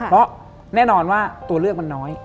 เพราะแน่นอนว่าตัวเลือกมันน้อย